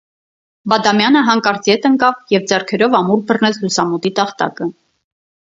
Բադամյանը հանկարծ ետ ընկավ և ձեռքերով ամուր բռնեց լուսամուտի տախտակը: